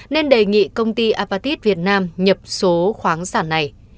nên đề nghị công ty apatit việt nam nhập số khoáng sản này